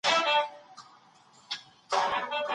پوښتنه وکړئ چي څنګه لا ښه سم.